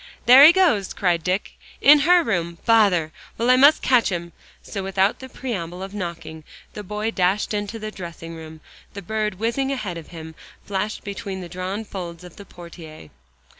"There he goes!" cried Dick, "in her room. Bother! Well, I must catch him." So without the preamble of knocking, the boy dashed into the dressing room. The bird whizzing ahead of him, flashed between the drawn folds of the portiere.